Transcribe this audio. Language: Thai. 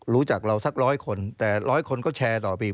รู้จักเราสักร้อยคนแต่ร้อยคนก็แชร์ต่อปี